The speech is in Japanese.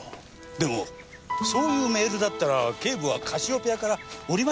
でもそういうメールだったら警部はカシオペアから降りましたか？